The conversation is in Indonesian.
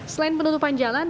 selain penutupan jalan